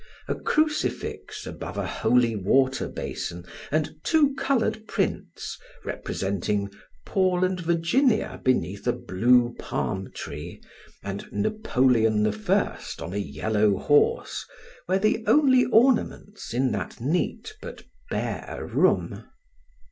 A crucifix above a holy water basin and two colored prints, representing Paul and Virginia beneath a blue palm tree, and Napoleon I. on a yellow horse, were the only ornaments in that neat, but bare room.